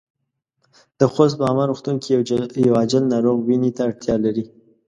د خوست په عامه روغتون کې يو عاجل ناروغ وينې ته اړتیا لري.